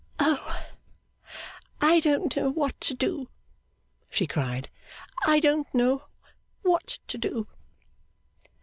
'Oh, I don't know what to do,' she cried, 'I don't know what to do!